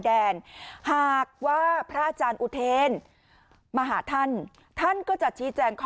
แดนหากว่าพระอาจารย์อุเทนมาหาท่านท่านก็จะชี้แจงข้อ